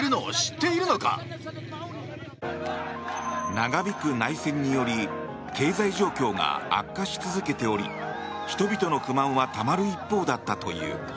長引く内戦により経済状況が悪化し続けており人々の不満はたまる一方だったという。